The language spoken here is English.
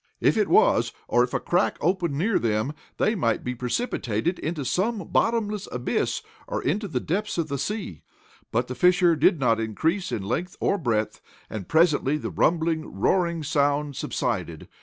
If it was, or if a crack opened near them, they might be precipitated into some bottomless abyss, or into the depths of the sea. But the fissure did not increase in length or breadth, and, presently the rumbling, roaring sound subsided.